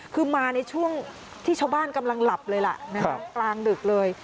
คือมาในช่วงที่ชาวบ้านกำลังหลับเลยล่ะกลางดึกเลย